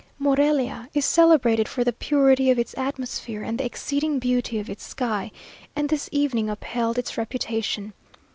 Morelia is celebrated for the purity of its atmosphere and the exceeding beauty of its sky; and this evening upheld its reputation.